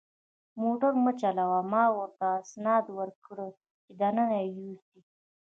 موټر ما چلاوه، ما ورته اسناد ورکړل چې دننه یې یوسي.